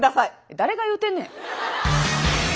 誰が言うてんねん。